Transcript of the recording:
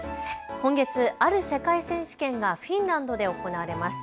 今月、ある世界選手権がフィンランドで行われます。